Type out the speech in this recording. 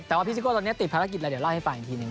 แต่ว่าพี่ซิโก้ตอนนี้ติดภารกิจแล้วเดี๋ยวเล่าให้ฟังอีกทีหนึ่ง